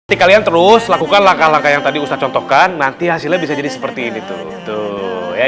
nanti kalian terus lakukan langkah langkah yang tadi usaha contohkan nanti hasilnya bisa jadi seperti ini tuh ya